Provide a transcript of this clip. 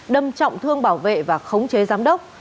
đâm trọng thương bảo vệ và khống chế giám đốc